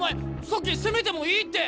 さっき攻めてもいいって。